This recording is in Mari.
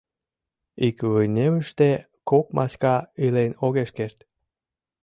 Ик вынемыште кок маска илен огеш керт.